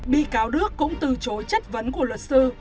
bị cáo đức cũng từ chối chất vấn của luật sư